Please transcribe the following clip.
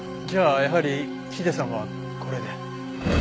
じゃあやはりヒデさんはこれで？